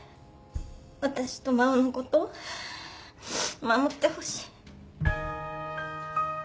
私と真央のこと守ってほしい。